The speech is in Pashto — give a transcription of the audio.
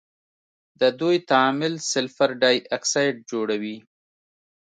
د دوی تعامل سلفر ډای اکسايډ جوړوي.